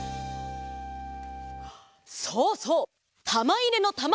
そうそう！たまいれのたま！